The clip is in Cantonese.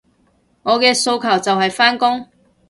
我嘅訴求就係返工